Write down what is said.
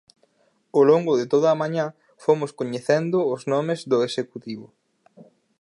Ao longo de toda a mañá fomos coñecendo os nomes do Executivo.